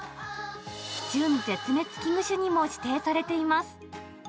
準絶滅危惧種にも指定されています。